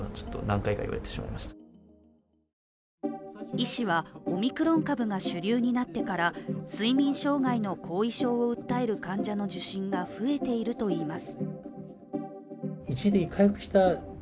医師はオミクロン株が主流になってから睡眠障害の後遺症を訴える患者の受診が増えているといいます。